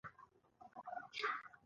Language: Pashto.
کاريز دوران د زينداور نامتو کاريز دی.